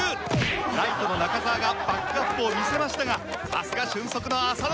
ライトの中澤がバックアップを見せましたがさすが俊足の浅野！